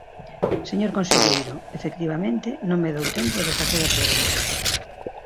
Señor conselleiro, efectivamente, non me dou tempo de facer a pregunta.